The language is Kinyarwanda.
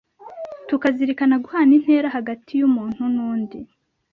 tukazirikana guhana intera hagati y’umuntu n’undi,